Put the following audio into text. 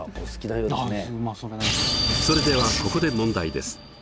それではここで問題です。